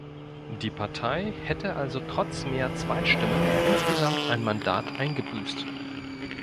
Die Partei hätte also trotz mehr Zweitstimmen insgesamt ein Mandat eingebüßt.